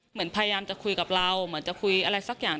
พยายามจะคุยกับเราเหมือนจะคุยอะไรสักอย่าง